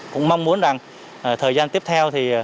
cũng mong muốn rằng thời gian tiếp theo